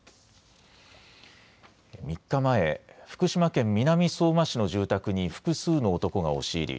３日前、福島県南相馬市の住宅に複数の男が押し入り